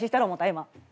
今。